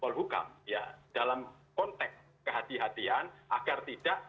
jadi kita harus menghentikan konteks kehatian kehatian agar tidak